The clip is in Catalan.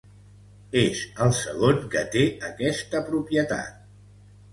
És el segon que té aquesta propietat.